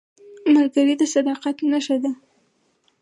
ملګری د صداقت نښه ده